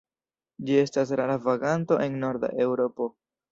Ĝi estas rara vaganto en norda Eŭropo.